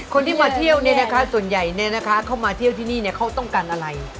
คนที่มาเที่ยวเนี่ยนะคะส่วนใหญ่เนี่ยนะคะเข้ามาเที่ยวที่นี่เนี่ยเขาต้องการอะไร